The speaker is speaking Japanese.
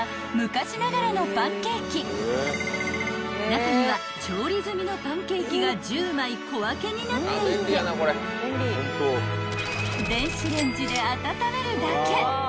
［中には調理済みのパンケーキが１０枚小分けになっていて電子レンジで温めるだけ］